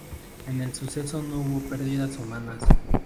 En el suceso no hubo perdidas humanas.